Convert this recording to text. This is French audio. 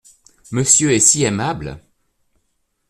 Monsieur est si aimable !…